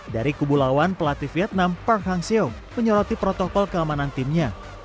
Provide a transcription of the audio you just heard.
dari kubu lawan pelatih vietnam park hangseo penyoroti protokol keamanan timnya